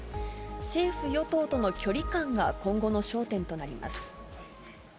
政府・与党との距離感が今後の焦点となります。